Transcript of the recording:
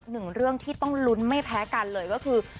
หนึ่งเรื่องที่ต้องลุ้นไม่แพ้กันเลยก็คือ